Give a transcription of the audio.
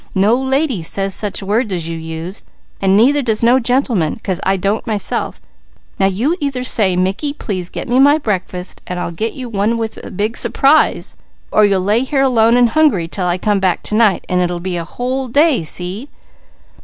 No lady says such words as you used, and neither does no gentleman, 'cause I don't myself. Now you'll either say, 'Mickey, please get me my breakfast,' and I'll get you one with a big surprise, or you'll lay here alone and hungry 'til I come back to night. And it'll be a whole day, see?"